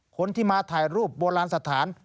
คนที่มาถ่ายรูปโบราณสถาน